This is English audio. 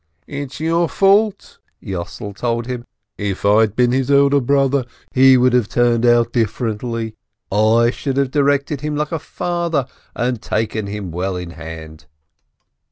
"It's your fault," Yossel told him. "If I'd been his elder brother, he would have turned out differently! I should have directed him like a father, and taken him well in hand."